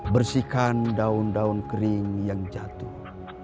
bersihkan daun daun kering yang jatuh